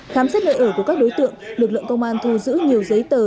khám xét nơi ở của các đối tượng lực lượng công an thu giữ nhiều giấy tờ